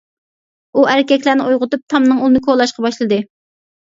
ئۇ ئەركەكلەرنى ئويغىتىپ، تامنىڭ ئۇلىنى كولاشقا باشلىدى.